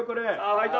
ファイト。